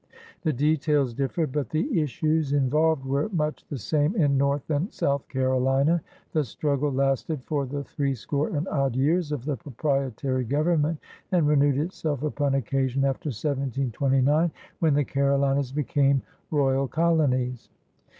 The details differed, but the issues in volved were much the same in North and South Carolina. The struggle lasted for the threescore and odd years of the proprietary government and renewed itself upon occasion after 1729 when THE CAROLINAS 811 the Carolinas became royal colonies.